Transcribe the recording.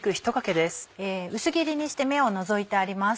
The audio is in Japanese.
薄切りにして芽を除いてあります。